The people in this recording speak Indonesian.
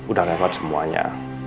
udah lewat semuanya